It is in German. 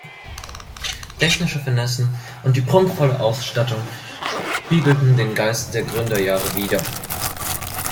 Technische Finessen und die prunkvolle Ausstattung spiegelten den Geist der Gründerjahre wider.